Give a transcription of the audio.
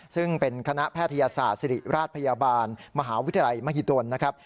ซึ่งเป็นคณะแพทยศาสตร์ศิริราชพยาบาลมหาวิทยาลัยมหิดลนะครับ